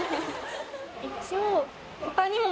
一応他にも